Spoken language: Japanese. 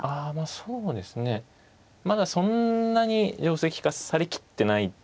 そうですねまだそんなに定跡化されきってない。